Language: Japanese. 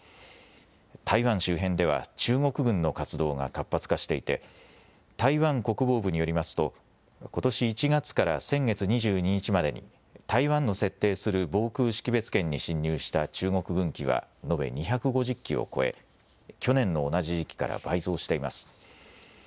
台湾周辺では中国軍の活動が活発化していて台湾国防部によりますとことし１月から先月２２日までに台湾の設定する防空識別圏に進入した中国軍機は延べ２５０機を超え、去年の同じ時期から倍増しています。